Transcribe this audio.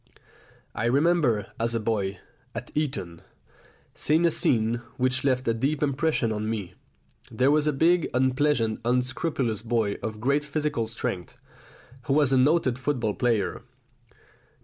I remember, as a boy at Eton, seeing a scene which left a deep impression on me. There was a big unpleasant unscrupulous boy of great physical strength, who was a noted football player.